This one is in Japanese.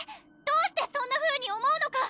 どうしてそんなふうに思うのか